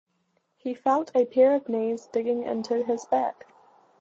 He felt a pair of knees digging into his back.